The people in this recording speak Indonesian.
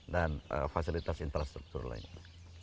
dan fasilitas infrastruktur lainnya